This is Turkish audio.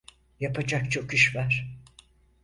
Yapacak çok iş var.